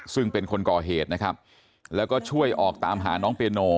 ซึ่งเป็นคนก่อเหตุนะครับแล้วก็ช่วยออกตามหาน้องเปียโน